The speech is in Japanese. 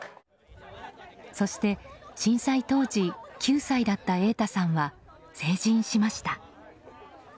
そして、震災当時９歳だった瑛太さんは成人しました。